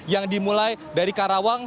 yang dimulai dari karawang